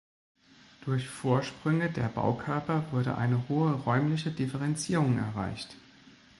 Durch Vorsprünge der Baukörper wurde eine hohe räumliche Differenzierung erreicht.